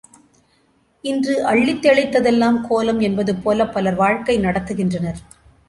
இன்று, அள்ளித் தெளித்த தெல்லாம் கோலம் என்பது போல பலர் வாழ்க்கை நடத்துகின்றனர்.